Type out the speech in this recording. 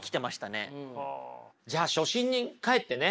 じゃあ初心に返ってね